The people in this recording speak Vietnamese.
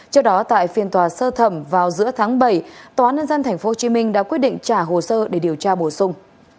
trước đó tại phiên tòa sơ thẩm vào giữa tháng bảy tòa án nhân dân tp hcm đã quyết định trả hồ sơ để điều tra bổ sung